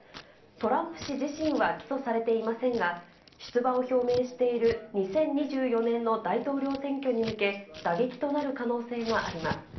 トランプ氏自身は起訴されていませんが、出馬を表明している２０２４年の大統領選挙に向け、打撃となる可能性があります。